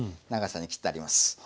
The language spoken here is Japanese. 長さに切ってあります。